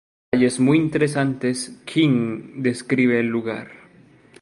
Con detalles muy interesantes, King describe el lugar.